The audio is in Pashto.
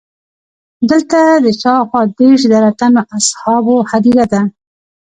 دلته د شاوخوا دېرش زره تنو اصحابو هدیره ده.